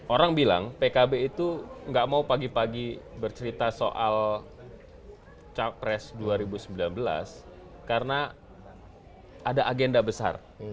orang bilang pkb itu gak mau pagi pagi bercerita soal capres dua ribu sembilan belas karena ada agenda besar